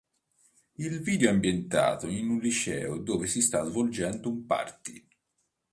Il video è ambientato in un liceo dove si sta svolgendo un party.